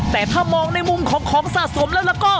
แต่ถ้ามองในมุมของของสะสมแล้วก็